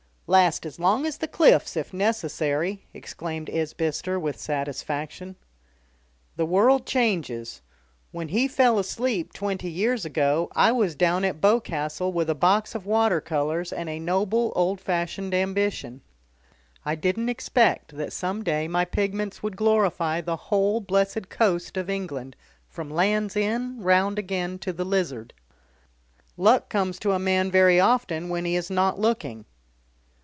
"Last as long as the cliffs, if necessary," exclaimed Isbister with satisfaction. "The world changes. When he fell asleep, twenty years ago, I was down at Boscastle with a box of water colours and a noble, old fashioned ambition. I didn't expect that some day my pigments would glorify the whole blessed coast of England, from Land's End round again to the Lizard. Luck comes to a man very often when he's not looking."